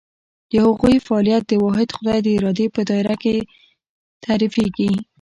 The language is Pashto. د هغوی فعالیت د واحد خدای د ارادې په دایره کې تعریفېږي.